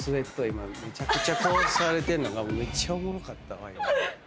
今めちゃくちゃこうされてんのがめっちゃおもろかったわ。